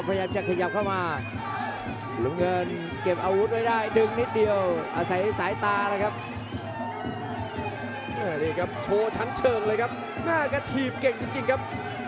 ว่าจังหวะเร่งจังหวะเราเป็นยังไงอ้าวอย่าเผลอนะครับดูครับ